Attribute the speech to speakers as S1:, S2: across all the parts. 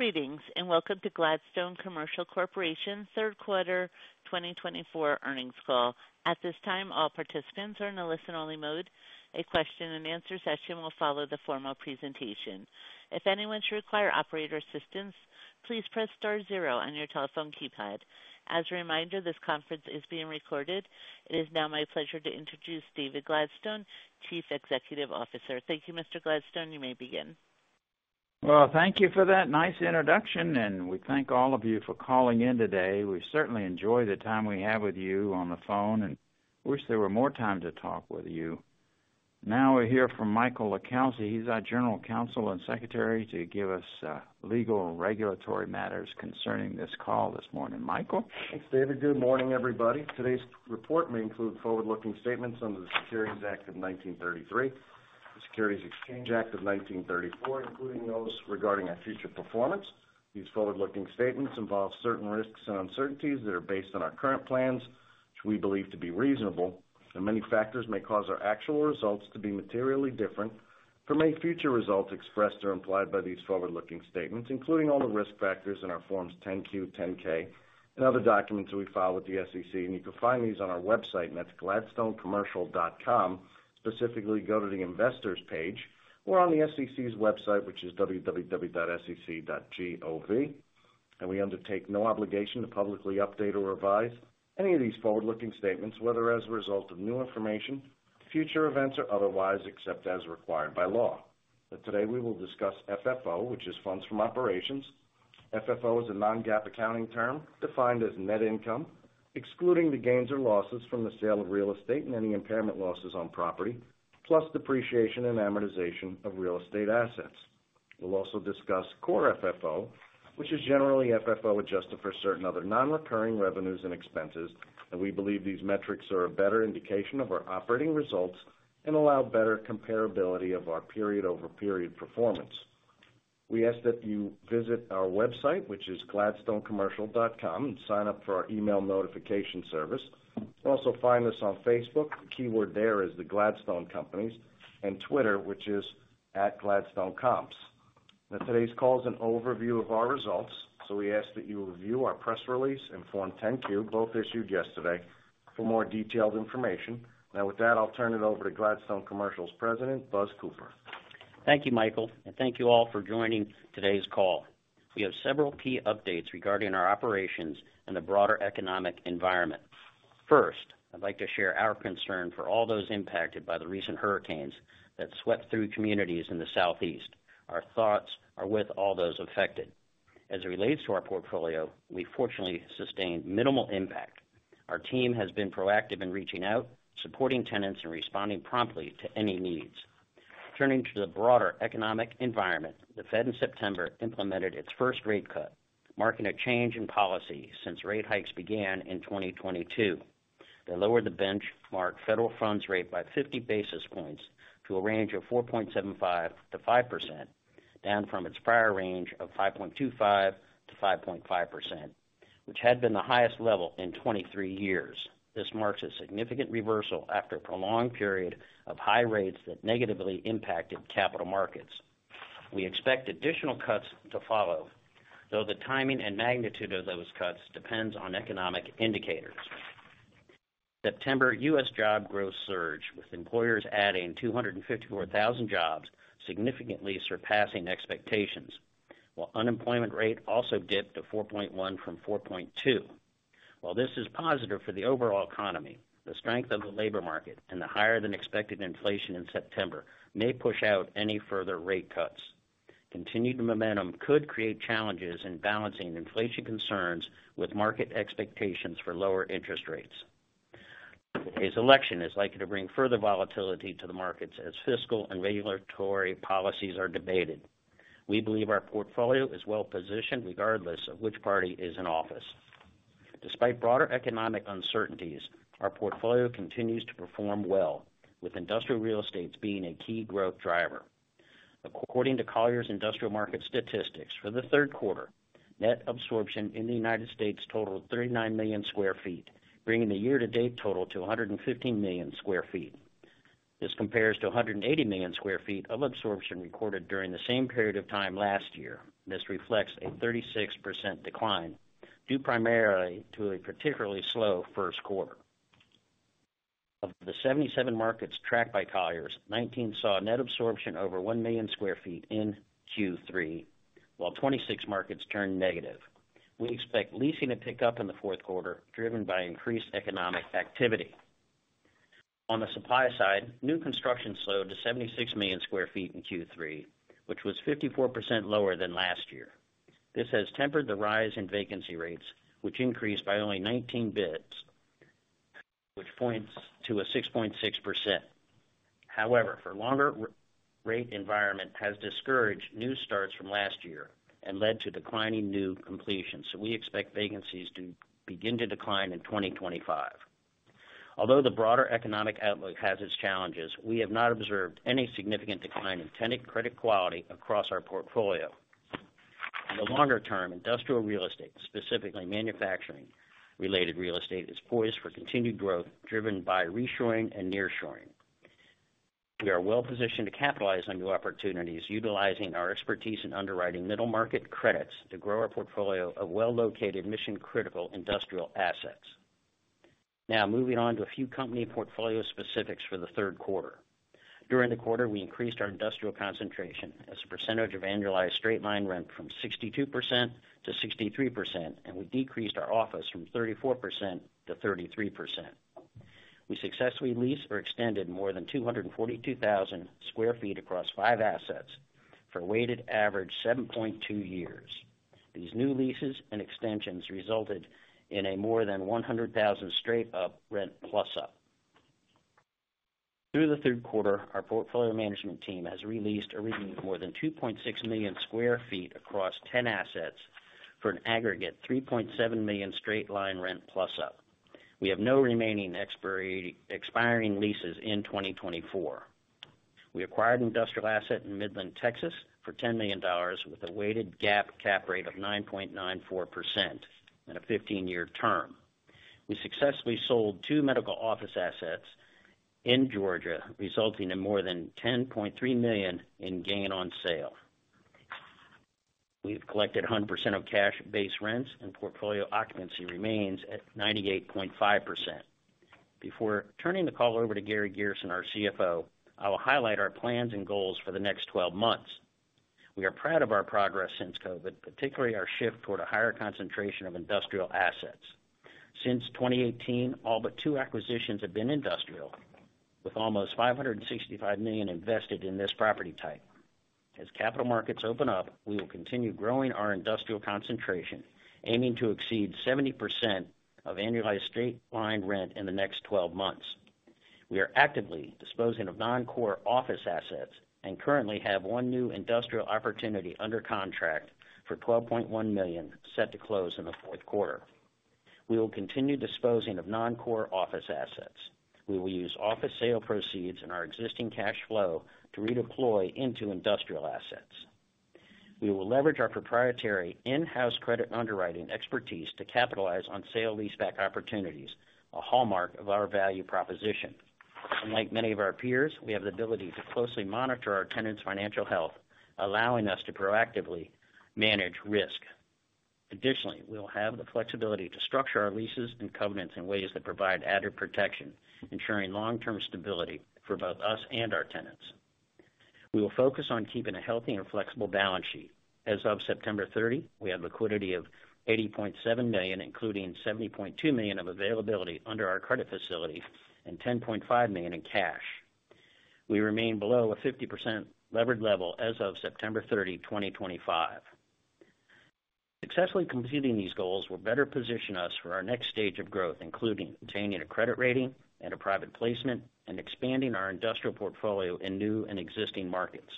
S1: Greetings and welcome to Gladstone Commercial Corporation's third quarter 2024 earnings call. At this time, all participants are in a listen-only mode. A question-and-answer session will follow the formal presentation. If anyone should require operator assistance, please press star zero on your telephone keypad. As a reminder, this conference is being recorded. It is now my pleasure to introduce David Gladstone, Chief Executive Officer. Thank you, Mr. Gladstone. You may begin.
S2: Well, thank you for that nice introduction, and we thank all of you for calling in today. We certainly enjoy the time we have with you on the phone and wish there were more time to talk with you. Now we're here from Michael LiCalsi. He's our General Counsel and Secretary to give us legal and regulatory matters concerning this call this morning. Michael.
S3: Thanks, David. Good morning, everybody. Today's report may include forward-looking statements under the Securities Act of 1933, the Securities Exchange Act of 1934, including those regarding our future performance. These forward-looking statements involve certain risks and uncertainties that are based on our current plans, which we believe to be reasonable, and many factors may cause our actual results to be materially different from any future result expressed or implied by these forward-looking statements, including all the risk factors in our Forms 10-Q, 10-K, and other documents that we file with the SEC, and you can find these on our website, and that's gladstonecommercial.com. Specifically, go to the investors' page or on the SEC's website, which is www.sec.gov. We undertake no obligation to publicly update or revise any of these forward-looking statements, whether as a result of new information, future events, or otherwise, except as required by law. Today, we will discuss FFO, which is funds from operations. FFO is a non-GAAP accounting term defined as net income, excluding the gains or losses from the sale of real estate and any impairment losses on property, plus depreciation and amortization of real estate assets. We'll also discuss Core FFO, which is generally FFO adjusted for certain other non-recurring revenues and expenses, and we believe these metrics are a better indication of our operating results and allow better comparability of our period-over-period performance. We ask that you visit our website, which is gladstonecommercial.com, and sign up for our email notification service. You'll also find us on Facebook. The keyword there is The Gladstone Companies, and Twitter, which is @gladstonecomps. Now, today's call is an overview of our results, so we ask that you review our press release and Form 10-Q, both issued yesterday, for more detailed information. Now, with that, I'll turn it over to Gladstone Commercial's President, Buzz Cooper.
S4: Thank you, Michael, and thank you all for joining today's call. We have several key updates regarding our operations and the broader economic environment. First, I'd like to share our concern for all those impacted by the recent hurricanes that swept through communities in the Southeast. Our thoughts are with all those affected. As it relates to our portfolio, we fortunately sustained minimal impact. Our team has been proactive in reaching out, supporting tenants, and responding promptly to any needs. Turning to the broader economic environment, the Fed in September implemented its first rate cut, marking a change in policy since rate hikes began in 2022. They lowered the benchmark federal funds rate by 50 basis points to a range of 4.75%-5%, down from its prior range of 5.25%-5.5%, which had been the highest level in 23 years. This marks a significant reversal after a prolonged period of high rates that negatively impacted capital markets. We expect additional cuts to follow, though the timing and magnitude of those cuts depends on economic indicators. September U.S. job growth surged, with employers adding 254,000 jobs, significantly surpassing expectations, while the unemployment rate also dipped to 4.1% from 4.2%. While this is positive for the overall economy, the strength of the labor market and the higher-than-expected inflation in September may push out any further rate cuts. Continued momentum could create challenges in balancing inflation concerns with market expectations for lower interest rates. Today's election is likely to bring further volatility to the markets as fiscal and regulatory policies are debated. We believe our portfolio is well-positioned regardless of which party is in office. Despite broader economic uncertainties, our portfolio continues to perform well, with industrial real estate being a key growth driver. According to Colliers Industrial Market Statistics, for the third quarter, net absorption in the United States totaled 39 million sq ft, bringing the year-to-date total to 115 million sq ft. This compares to 180 million sq ft of absorption recorded during the same period of time last year. This reflects a 36% decline due primarily to a particularly slow first quarter. Of the 77 markets tracked by Colliers, 19 saw net absorption over 1 million sq ft in Q3, while 26 markets turned negative. We expect leasing to pick up in the fourth quarter, driven by increased economic activity. On the supply side, new construction slowed to 76 million sq ft in Q3, which was 54% lower than last year. This has tempered the rise in vacancy rates, which increased by only 19 basis points to 6.6%. However, a higher rate environment has discouraged new starts from last year and led to declining new completions. So we expect vacancies to begin to decline in 2025. Although the broader economic outlook has its challenges, we have not observed any significant decline in tenant credit quality across our portfolio. In the longer term, industrial real estate, specifically manufacturing-related real estate, is poised for continued growth, driven by reshoring and nearshoring. We are well-positioned to capitalize on new opportunities, utilizing our expertise in underwriting middle-market credits to grow our portfolio of well-located, mission-critical industrial assets. Now, moving on to a few company portfolio specifics for the third quarter. During the quarter, we increased our industrial concentration as a % of annualized straight-line rent from 62% - 63%, and we decreased our office from 34% - 33%. We successfully leased or extended more than 242,000 sq ft across five assets for a weighted average of 7.2 years. These new leases and extensions resulted in a more than $100,000 straight-line rent plus-up. Through the third quarter, our portfolio management team has released or renewed more than 2.6 million square feet across 10 assets for an aggregate of $3.7 million straight-line rent plus-up. We have no remaining expiring leases in 2024. We acquired an industrial asset in Midland, Texas, for $10 million with a weighted GAAP cap rate of 9.94% in a 15-year term. We successfully sold two medical office assets in Georgia, resulting in more than $10.3 million in gain on sale. We've collected 100% of cash-based rents, and portfolio occupancy remains at 98.5%. Before turning the call over to Gary Gerson, our CFO, I will highlight our plans and goals for the next 12 months. We are proud of our progress since COVID, particularly our shift toward a higher concentration of industrial assets. Since 2018, all but two acquisitions have been industrial, with almost $565 million invested in this property type. As capital markets open up, we will continue growing our industrial concentration, aiming to exceed 70% of annualized straight-line rent in the next 12 months. We are actively disposing of non-core office assets and currently have one new industrial opportunity under contract for $12.1 million set to close in the fourth quarter. We will continue disposing of non-core office assets. We will use office sale proceeds and our existing cash flow to redeploy into industrial assets. We will leverage our proprietary in-house credit underwriting expertise to capitalize on sale leaseback opportunities, a hallmark of our value proposition. Unlike many of our peers, we have the ability to closely monitor our tenants' financial health, allowing us to proactively manage risk. Additionally, we'll have the flexibility to structure our leases and covenants in ways that provide added protection, ensuring long-term stability for both us and our tenants. We will focus on keeping a healthy and flexible balance sheet. As of September 30, we have liquidity of $80.7 million, including $70.2 million of availability under our credit facility and $10.5 million in cash. We remain below a 50% levered level as of September 30, 2025. Successfully completing these goals will better position us for our next stage of growth, including obtaining a credit rating and a private placement and expanding our industrial portfolio in new and existing markets.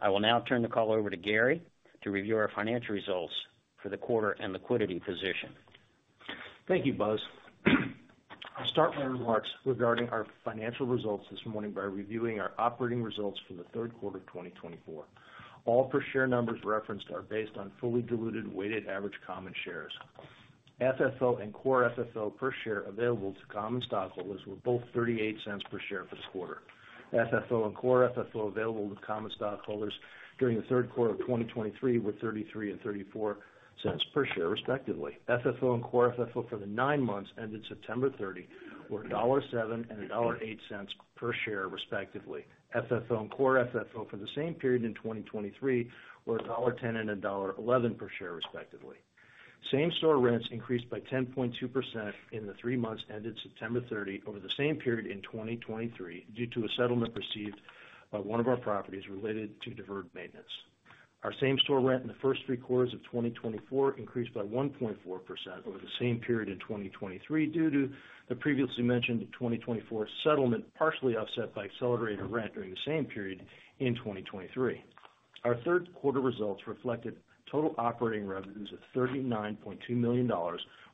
S4: I will now turn the call over to Gary to review our financial results for the quarter and liquidity position.
S5: Thank you, Buzz. I'll start my remarks regarding our financial results this morning by reviewing our operating results for the third quarter of 2024. All per-share numbers referenced are based on fully diluted weighted average common shares. FFO and core FFO per share available to common stockholders were both $0.38 per share for the quarter. FFO and core FFO available to common stockholders during the third quarter of 2023 were $0.33 and $0.34 per share, respectively. FFO and core FFO for the nine months ended September 30 were $1.07 and $1.08 per share, respectively. FFO and core FFO for the same period in 2023 were $1.10 and $1.11 per share, respectively. Same-store rents increased by 10.2% in the three months ended September 30 over the same period in 2023 due to a settlement received by one of our properties related to deferred maintenance. Our same-store rent in the first three quarters of 2024 increased by 1.4% over the same period in 2023 due to the previously mentioned 2024 settlement partially offset by accelerator rent during the same period in 2023. Our third-quarter results reflected total operating revenues of $39.2 million,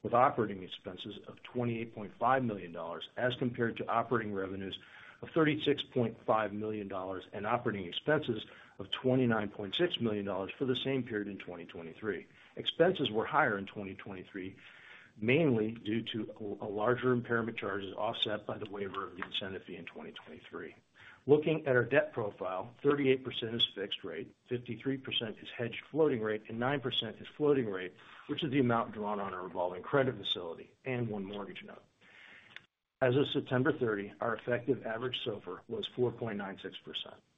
S5: with operating expenses of $28.5 million as compared to operating revenues of $36.5 million and operating expenses of $29.6 million for the same period in 2023. Expenses were higher in 2023, mainly due to larger impairment charges offset by the waiver of the incentive fee in 2023. Looking at our debt profile, 38% is fixed rate, 53% is hedged floating rate, and 9% is floating rate, which is the amount drawn on our revolving credit facility and one mortgage note. As of September 30, our effective average SOFR was 4.96%.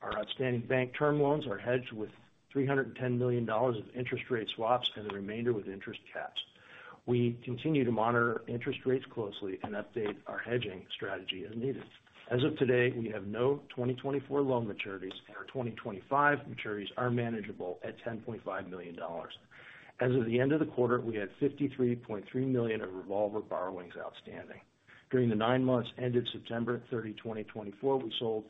S5: Our outstanding bank term loans are hedged with $310 million of interest rate swaps and the remainder with interest caps. We continue to monitor interest rates closely and update our hedging strategy as needed. As of today, we have no 2024 loan maturities, and our 2025 maturities are manageable at $10.5 million. As of the end of the quarter, we had $53.3 million of revolver borrowings outstanding. During the nine months ended September 30, 2024, we sold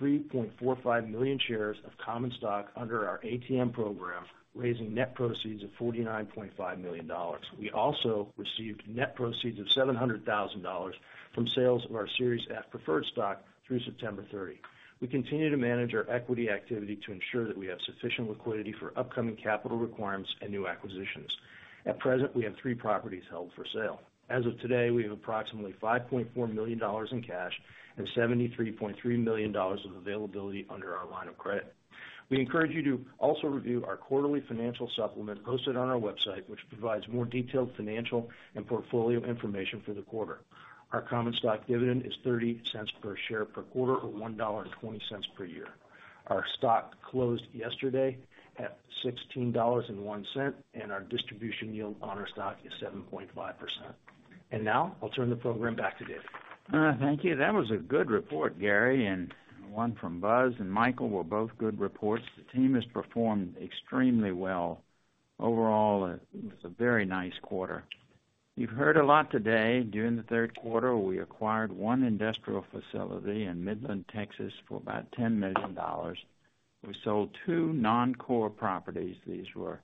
S5: 3.45 million shares of common stock under our ATM program, raising net proceeds of $49.5 million. We also received net proceeds of $700,000 from sales of our Series F preferred stock through September 30. We continue to manage our equity activity to ensure that we have sufficient liquidity for upcoming capital requirements and new acquisitions. At present, we have three properties held for sale. As of today, we have approximately $5.4 million in cash and $73.3 million of availability under our line of credit. We encourage you to also review our quarterly financial supplement posted on our website, which provides more detailed financial and portfolio information for the quarter. Our common stock dividend is $0.30 per share per quarter or $1.20 per year. Our stock closed yesterday at $16.01, and our distribution yield on our stock is 7.5%. Now I'll turn the program back to David.
S2: Thank you. That was a good report, Gary, and a good one from Buzz and Michael. They were both good reports. The team has performed extremely well overall. It was a very nice quarter. You have heard a lot today. During the third quarter, we acquired one industrial facility in Midland, Texas, for about $10 million. We sold two non-core properties. These were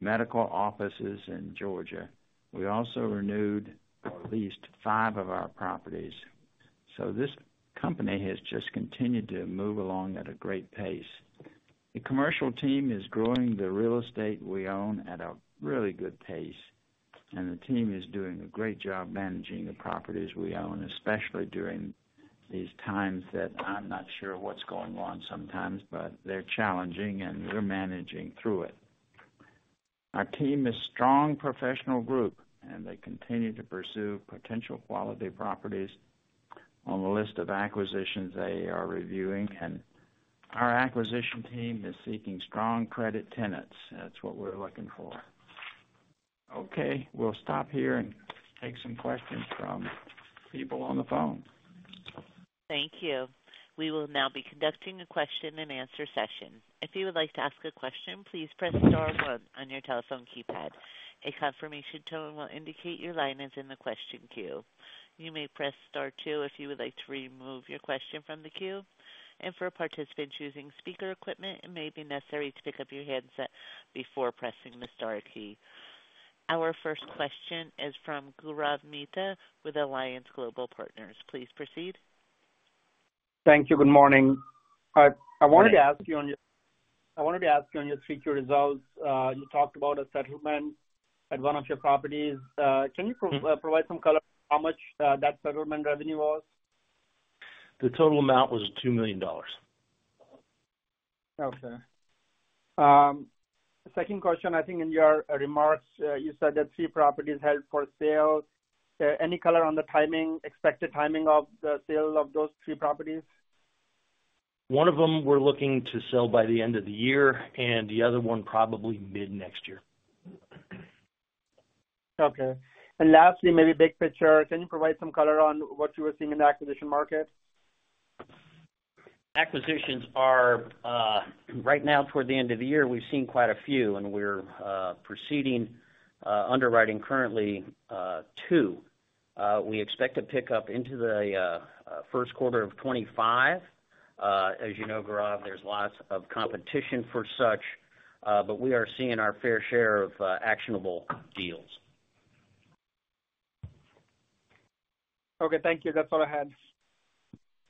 S2: medical offices in Georgia. We also renewed or leased five of our properties, so this company has just continued to move along at a great pace. The commercial team is growing the real estate we own at a really good pace, and the team is doing a great job managing the properties we own, especially during these times that I am not sure what is going on sometimes, but they are challenging, and we are managing through it. Our team is a strong professional group, and they continue to pursue potential quality properties on the list of acquisitions they are reviewing, and our acquisition team is seeking strong credit tenants. That's what we're looking for. Okay, we'll stop here and take some questions from people on the phone.
S1: Thank you. We will now be conducting a question-and-answer session. If you would like to ask a question, please press star one on your telephone keypad. A confirmation tone will indicate your line is in the question queue. You may press star two if you would like to remove your question from the queue. And for participants using speaker equipment, it may be necessary to pick up your headset before pressing the star key. Our first question is from Gaurav Mehta with Alliance Global Partners. Please proceed.
S6: Thank you. Good morning. I wanted to ask you on your three-year results. You talked about a settlement at one of your properties. Can you provide some color on how much that settlement revenue was?
S5: The total amount was $2 million.
S6: Okay. Second question, I think in your remarks, you said that three properties held for sale. Any color on the timing, expected timing of the sale of those three properties?
S5: One of them we're looking to sell by the end of the year, and the other one probably mid-next year.
S6: Okay, and lastly, maybe big picture, can you provide some color on what you were seeing in the acquisition market?
S4: Acquisitions are right now, toward the end of the year, we've seen quite a few, and we're proceeding underwriting currently two. We expect a pickup into the first quarter of 2025. As you know, Gaurav, there's lots of competition for such, but we are seeing our fair share of actionable deals.
S6: Okay. Thank you. That's all I had.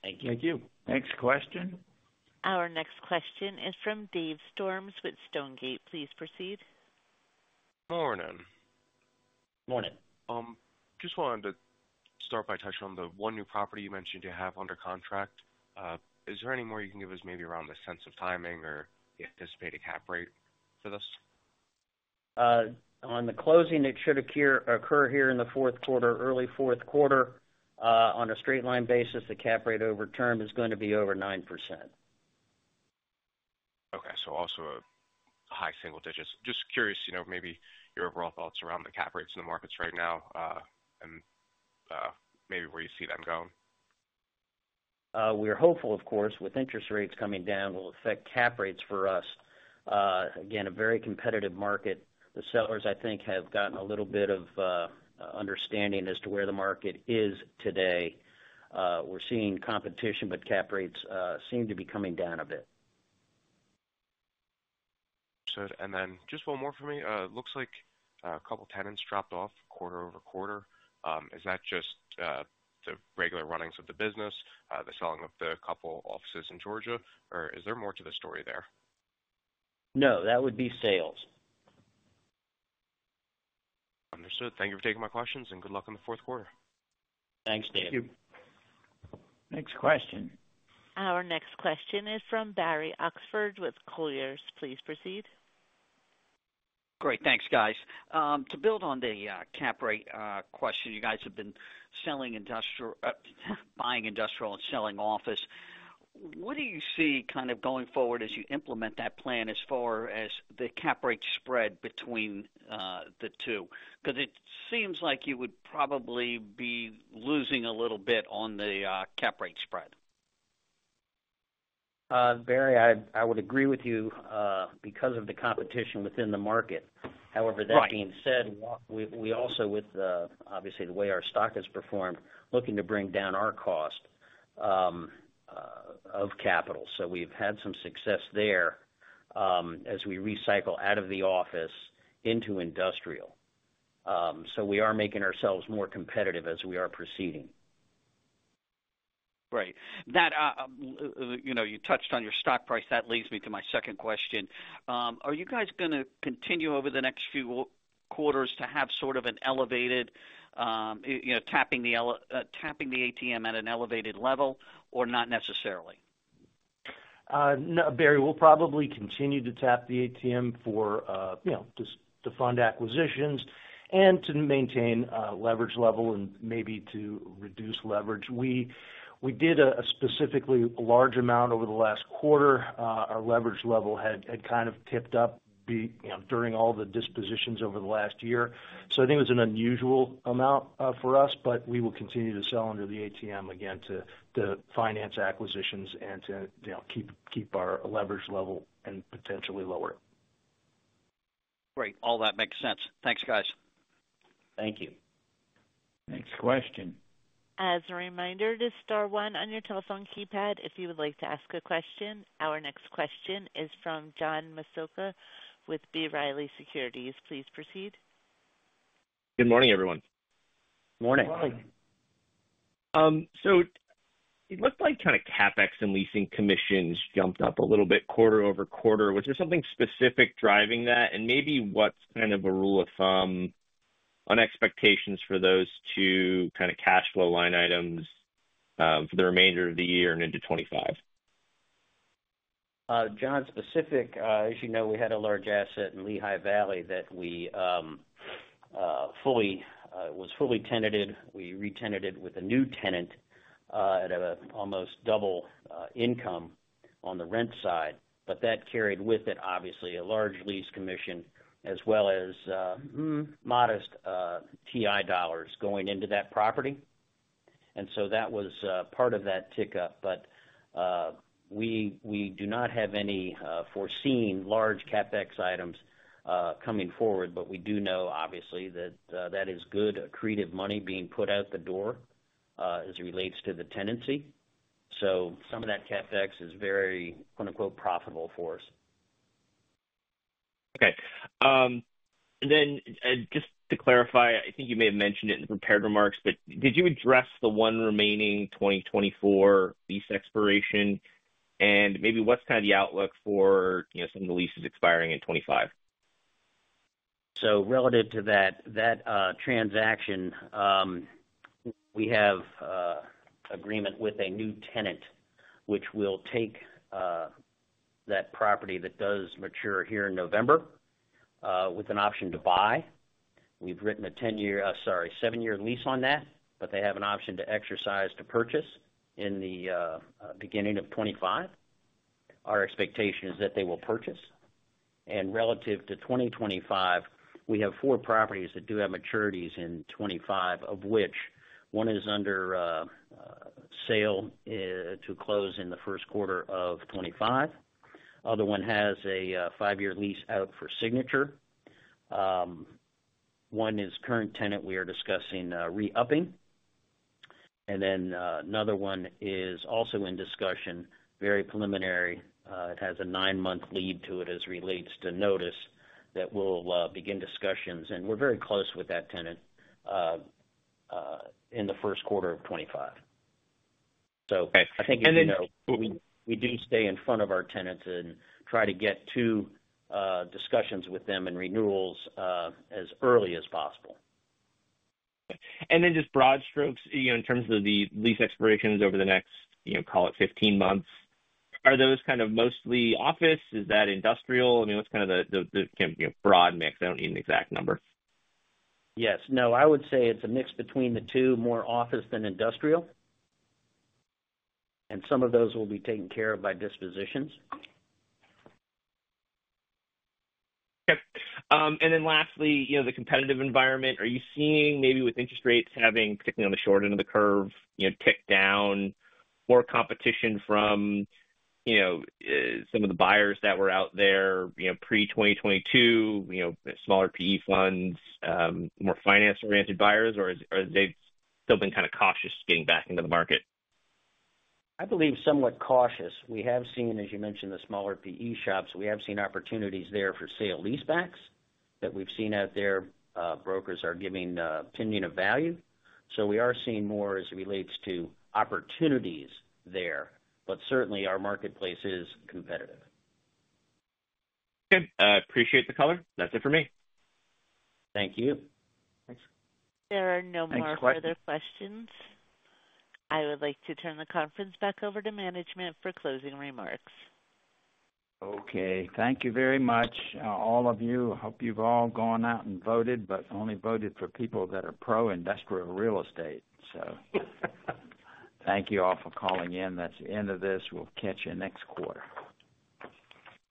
S4: Thank you.
S5: Thank you.
S2: Next question.
S1: Our next question is from Dave Storms with Stonegate. Please proceed.
S7: Morning.
S4: Morning.
S7: Just wanted to start by touching on the one new property you mentioned you have under contract. Is there any more you can give us maybe around the sense of timing or the anticipated cap rate for this?
S4: On the closing, it should occur here in the fourth quarter, early fourth quarter. On a straight-line basis, the cap rate over term is going to be over 9%.
S7: Okay. So also high single digits. Just curious, maybe your overall thoughts around the cap rates in the markets right now and maybe where you see them going.
S4: We're hopeful, of course, with interest rates coming down, will affect cap rates for us. Again, a very competitive market. The sellers, I think, have gotten a little bit of understanding as to where the market is today. We're seeing competition, but cap rates seem to be coming down a bit.
S7: Understood. And then just one more for me. It looks like a couple of tenants dropped off quarter over quarter. Is that just the regular runnings of the business, the selling of the couple of offices in Georgia, or is there more to the story there?
S4: No, that would be sales.
S7: Understood. Thank you for taking my questions, and good luck in the fourth quarter.
S4: Thanks, David.
S2: Thank you. Next question.
S1: Our next question is from Barry Oxford with Colliers. Please proceed.
S8: Great. Thanks, guys. To build on the cap rate question, you guys have been selling industrial, buying industrial, and selling office. What do you see kind of going forward as you implement that plan as far as the cap rate spread between the two? Because it seems like you would probably be losing a little bit on the cap rate spread.
S4: Barry, I would agree with you because of the competition within the market. However, that being said, we also, with obviously the way our stock has performed, are looking to bring down our cost of capital. So we've had some success there as we recycle out of the office into industrial. So we are making ourselves more competitive as we are proceeding.
S8: Great. You touched on your stock price. That leads me to my second question. Are you guys going to continue over the next few quarters to have sort of an elevated tapping the ATM at an elevated level or not necessarily?
S5: Barry, we'll probably continue to tap the ATM for just to fund acquisitions and to maintain leverage level and maybe to reduce leverage. We did a specifically large amount over the last quarter. Our leverage level had kind of tipped up during all the dispositions over the last year. So I think it was an unusual amount for us, but we will continue to sell under the ATM again to finance acquisitions and to keep our leverage level and potentially lower.
S8: Great. All that makes sense. Thanks, guys.
S4: Thank you.
S2: Next question.
S1: As a reminder, to star one on your telephone keypad, if you would like to ask a question. Our next question is from John Massocca with B. Riley Securities. Please proceed.
S9: Good morning, everyone.
S4: Morning.
S9: Morning. So it looked like kind of CapEx and leasing commissions jumped up a little bit quarter over quarter. Was there something specific driving that? And maybe what's kind of a rule of thumb on expectations for those two kind of cash flow line items for the remainder of the year and into 2025?
S4: John, specifically, as you know, we had a large asset in Lehigh Valley that was fully tenanted. We re-tenanted with a new tenant at almost double income on the rent side, but that carried with it, obviously, a large lease commission as well as modest TI dollars going into that property, and so that was part of that tick up, but we do not have any foreseen large CapEx items coming forward, but we do know, obviously, that that is good accretive money being put out the door as it relates to the tenancy, so some of that CapEx is very "profitable" for us.
S9: Okay, and then just to clarify, I think you may have mentioned it in the prepared remarks, but did you address the one remaining 2024 lease expiration? And maybe what's kind of the outlook for some of the leases expiring in 2025?
S4: So relative to that transaction, we have agreement with a new tenant, which will take that property that does mature here in November with an option to buy. We've written a 10-year, sorry, 7-year lease on that, but they have an option to exercise to purchase in the beginning of 2025. Our expectation is that they will purchase. And relative to 2025, we have four properties that do have maturities in 2025, of which one is under sale to close in the first quarter of 2025. The other one has a five-year lease out for signature. One is current tenant. We are discussing re-upping. And then another one is also in discussion, very preliminary. It has a nine-month lead to it as it relates to notice that we'll begin discussions. And we're very close with that tenant in the first quarter of 2025. So I think, as you know, we do stay in front of our tenants and try to get to discussions with them and renewals as early as possible.
S9: And then, just broad strokes, in terms of the lease expirations over the next, call it, 15 months, are those kind of mostly office? Is that industrial? I mean, what's kind of the broad mix? I don't need an exact number.
S4: Yes. No, I would say it's a mix between the two, more office than industrial, and some of those will be taken care of by dispositions.
S9: Okay. And then lastly, the competitive environment, are you seeing maybe with interest rates having, particularly on the short end of the curve, tick down, more competition from some of the buyers that were out there pre-2022, smaller PE funds, more finance-oriented buyers, or have they still been kind of cautious getting back into the market?
S4: I believe somewhat cautious. We have seen, as you mentioned, the smaller PE shops. We have seen opportunities there for sale leasebacks that we've seen out there. Brokers are giving an opinion of value. So we are seeing more as it relates to opportunities there. But certainly, our marketplace is competitive.
S9: Good. I appreciate the color. That's it for me.
S4: Thank you.
S1: There are no more further questions. I would like to turn the conference back over to management for closing remarks.
S2: Okay. Thank you very much, all of you. Hope you've all gone out and voted, but only voted for people that are pro-industrial real estate. So thank you all for calling in. That's the end of this. We'll catch you next quarter.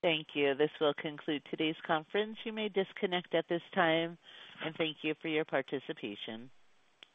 S1: Thank you. This will conclude today's conference. You may disconnect at this time, and thank you for your participation.